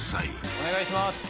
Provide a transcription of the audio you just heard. お願いします